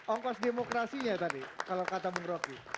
ongkos demokrasinya tadi kalau kata bung rocky